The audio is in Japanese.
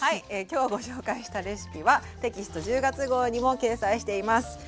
今日ご紹介したレシピはテキスト１０月号にも掲載しています。